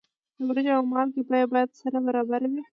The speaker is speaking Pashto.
د وریجو او مالګې بیه باید سره برابره وي.